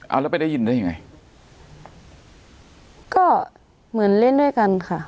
เอาแล้วไปได้ยินได้ยังไงก็เหมือนเล่นด้วยกันค่ะ